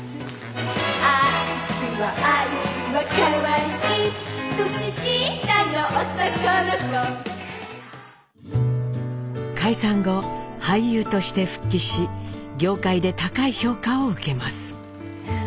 「あいつはあいつは可愛い」「年下の男の子」解散後俳優として復帰し業界で高い評価を受けます。